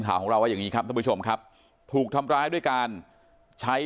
ข่าวของเราว่าอย่างนี้ครับท่านผู้ชมครับถูกทำร้ายด้วยการใช้